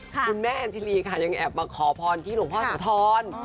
คุณแม่แอนชิลีค่ะยังแอบมาขอพรที่หลวงพ่อโสธร